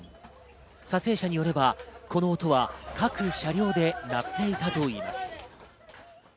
撮影者によれば、この音は各車両で鳴っていたといいます。